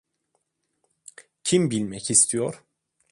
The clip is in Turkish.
Kim bilmek istiyor?